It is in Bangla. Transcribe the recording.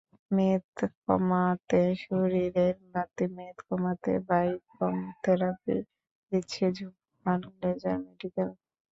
মেদ কমাতেশরীরের বাড়তি মেদ কমাতে বাইকম থেরাপি দিচ্ছে ঝুমু খান লেজার মেডিকেল।